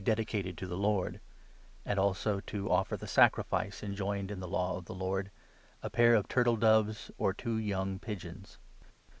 dedicated to the Lord,' and also to offer the sacrifice enjoined 2^ in the Law of the Lord —' a pair of turtle doves or two young pigeons.